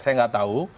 saya tidak tahu